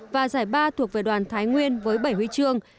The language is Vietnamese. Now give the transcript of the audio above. và giải ba thuộc về đoàn thái nguyên với bảy huy chương